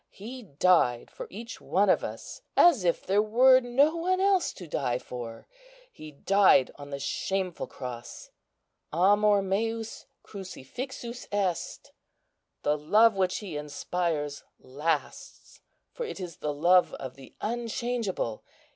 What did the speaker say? He died for each one of us, as if there were no one else to die for. He died on the shameful cross. 'Amor meus crucifixus est.' The love which he inspires lasts, for it is the love of the Unchangeable.